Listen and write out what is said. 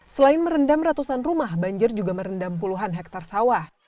selain merendam ratusan rumah banjir juga merendam puluhan hektare sawah